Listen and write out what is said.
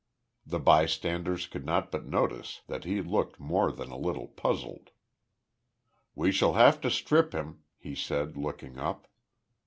The bystanders could not but notice that he looked more than a little puzzled. "We shall have to strip him," he said, looking up.